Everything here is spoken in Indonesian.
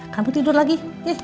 kamu tidur lagi